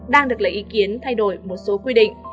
đang được lấy ý kiến thay đổi một số quy định